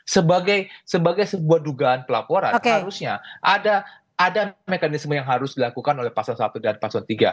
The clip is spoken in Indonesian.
sebagai sebuah dugaan pelaporan harusnya ada mekanisme yang harus dilakukan oleh pasal satu dan pasal tiga